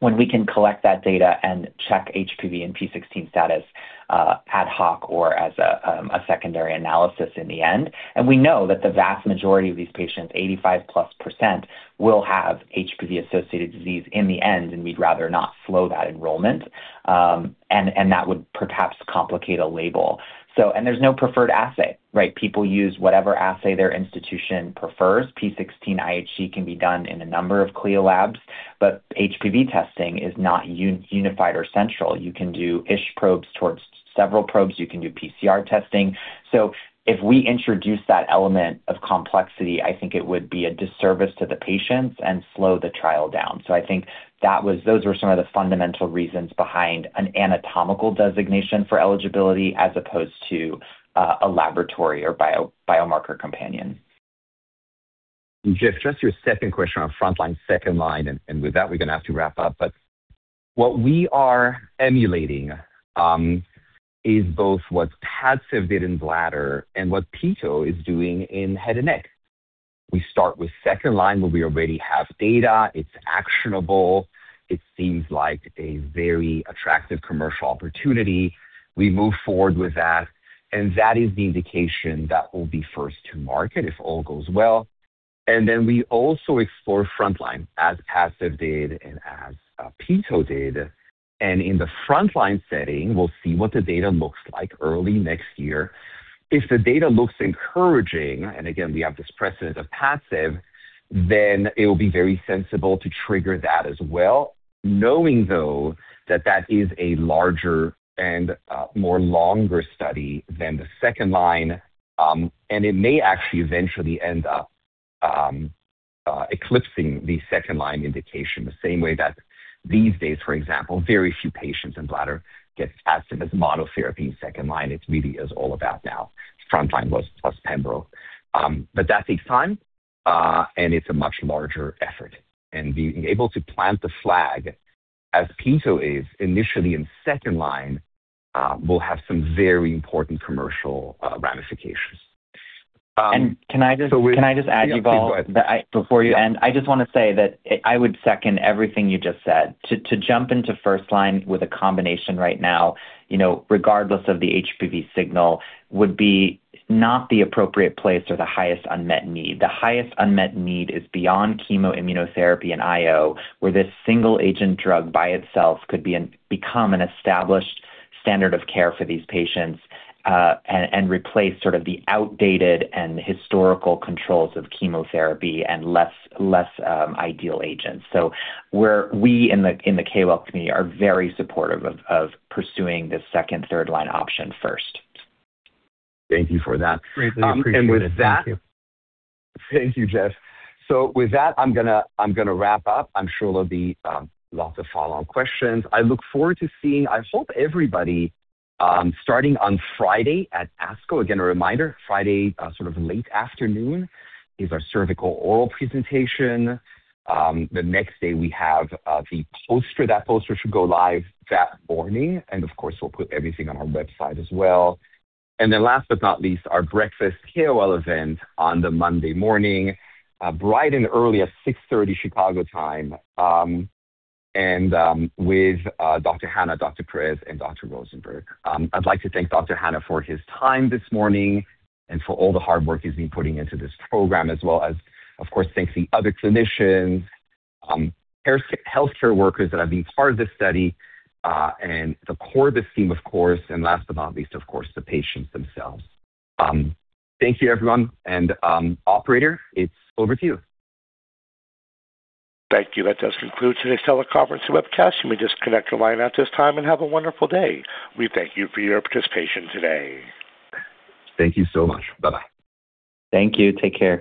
when we can collect that data and check HPV and p16 status ad hoc or as a secondary analysis in the end. We know that the vast majority of these patients, 85+% will have HPV-associated disease in the end, and we'd rather not slow that enrollment. That would perhaps complicate a label. There's no preferred assay, right? People use whatever assay their institution prefers. p16 IHC can be done in a number of CLIA labs, but HPV testing is not unified or central. You can do ISH probes towards several probes. You can do PCR testing. If we introduce that element of complexity, I think it would be a disservice to the patients and slow the trial down. I think those were some of the fundamental reasons behind an anatomical designation for eligibility as opposed to a laboratory or biomarker companion. Jeff, just to your second question on frontline, second line, with that, we're going to have to wrap up. What we are emulating is both what PADCEV did in bladder and what peto is doing in head and neck. We start with second line where we already have data, it's actionable. It seems like a very attractive commercial opportunity. We move forward with that is the indication that we'll be first to market if all goes well. Then we also explore frontline as PADCEV did and as peto did. In the frontline setting, we'll see what the data looks like early next year. If the data looks encouraging, and again, we have this precedent of PADCEV, then it'll be very sensible to trigger that as well, knowing though that that is a larger and more longer study than the second line. It may actually eventually end up eclipsing the second-line indication the same way that these days, for example, very few patients in bladder get PADCEV as monotherapy in second line. It really is all about now frontline plus pembro. That takes time, and it's a much larger effort. Being able to plant the flag as peto is initially in second line will have some very important commercial ramifications. Can I just add, Yuval? Yeah, go for it. I just want to say that I would second everything you just said. To jump into first-line with a combination right now, regardless of the HPV signal, would be not the appropriate place or the highest unmet need. The highest unmet need is beyond chemoimmunotherapy and IO, where this single agent drug by itself could become an established standard of care for these patients, and replace sort of the outdated and historical controls of chemotherapy and less ideal agents. We in the KOL community are very supportive of pursuing the second, third-line option first. Thank you for that. Greatly appreciate that. Thank you. Thank you, Jeff. With that, I'm going to wrap up. I'm sure there'll be lots of follow-on questions. I look forward to seeing, I hope everybody, starting on Friday at ASCO. A reminder, Friday, sort of late afternoon is our cervical oral presentation. The next day we have the poster. That poster should go live that morning. Of course, we'll put everything on our website as well. Last but not least, our breakfast KOL event on the Monday morning, bright and early at 6:30 A.M. Chicago time, with Dr. Hanna, Dr. Perez, and Dr. Rosenberg. I'd like to thank Dr. Hanna for his time this morning and for all the hard work he's been putting into this program, as well as, of course, thanking other clinicians, healthcare workers that have been part of this study, and the Corbus team, of course, and last but not least, of course, the patients themselves. Thank you everyone, operator, it's over to you. Thank you. That does conclude today's teleconference webcast. You may disconnect at your line at this time and have a wonderful day. We thank you for your participation today. Thank you so much. Bye-bye. Thank you. Take care.